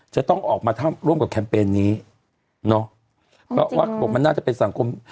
จะต้องออกมาร่วมกับแคมเปญนี้เนอะเพราะว่าเขาบอกมันน่าจะเป็นสังคม